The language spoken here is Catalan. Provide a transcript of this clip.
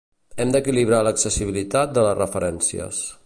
Hem d'equilibrar l'accessibilitat de les referències.